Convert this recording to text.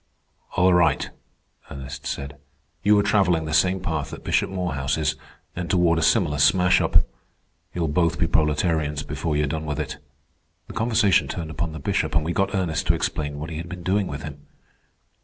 "All right," Ernest said. "You are travelling the same path that Bishop Morehouse is, and toward a similar smash up. You'll both be proletarians before you're done with it." The conversation turned upon the Bishop, and we got Ernest to explain what he had been doing with him.